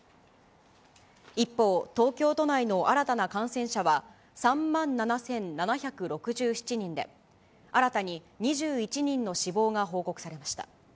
一方、東京都内の新たな感染者は３万７７６７人で、新たに２１人の死亡が報告されました。